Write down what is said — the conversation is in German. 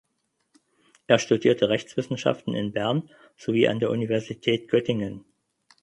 Er studierte Rechtswissenschaften in Bern sowie an der Universität Göttingen.